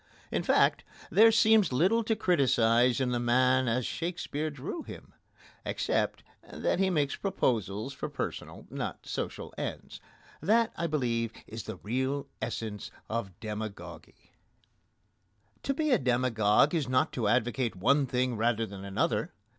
In fact, there seems little to criticise in the man as Shakespeare drew him, except that he made his proposals for personal, not for social ends. That, I believe, is the real essence of demagogy. To be a demagogue is not to advocate one thing rather than another.